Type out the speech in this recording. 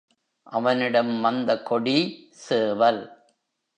அவனிடம் வந்த கொடி சேவல்.